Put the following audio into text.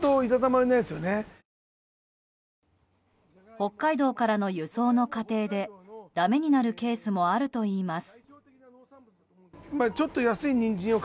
北海道からの輸送の過程でだめになるケースもあるといいます。